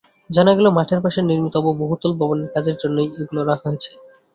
জানা গেল, মাঠের পাশে নির্মিতব্য বহুতল ভবনের কাজের জন্যই এগুলো রাখা হয়েছে।